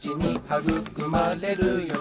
「はぐくまれるよ